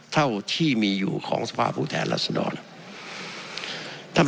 เท่าที่มีอยู่ของสภาพผู้แทนรัศดร